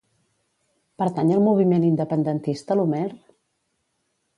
Pertany al moviment independentista l'Homer?